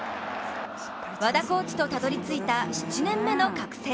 和田コーチとたどり着いた７年目の覚醒。